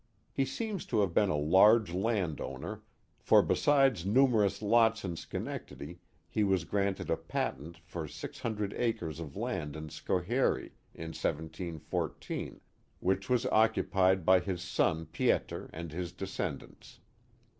He seems to have been a large land owner, for besides numerous lots in Schenectady he was granted a patent for six hundred acres of land in Schoharie, in 17 14, which was occupied by his son Pieter and his descendants.